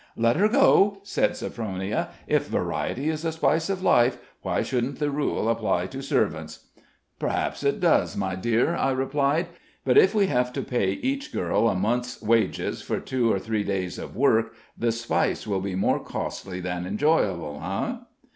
"Let her go," said Sophronia. "If variety is the spice of life, why shouldn't the rule apply to servants?" "Perhaps it does, my dear," I replied; "but if we have to pay each girl a month's wages for two or three days of work, the spice will be more costly than enjoyable eh?"